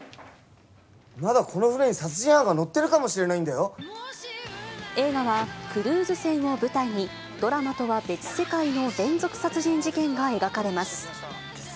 まだこの船に殺人犯が乗って映画は、クルーズ船を舞台に、ドラマとは別世界の連続殺人事件が描かれます。